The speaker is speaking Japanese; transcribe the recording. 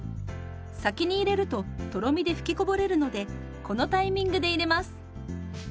先に入れるととろみで吹きこぼれるのでこのタイミングで入れます。